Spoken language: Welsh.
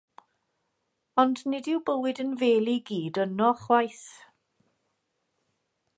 Ond nid yw bywyd yn fêl i gyd yno ychwaith.